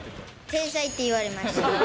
天才って言われました。